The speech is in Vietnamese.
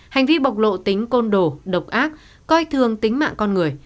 hành vi bộc lộ tính côn đồ độc ác coi thường tính mạng con người